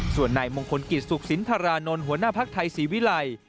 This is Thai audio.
ส่วนนายมงคลกิจสุขสินธารานนท์หัวหน้าภักดิ์ไทยศรีวิลัย